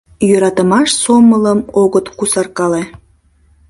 — Йӧратымаш сомылым огыт кусаркале.